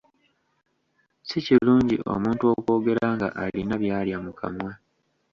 Si kirungi omuntu okwogera nga alina byalya mu kamwa.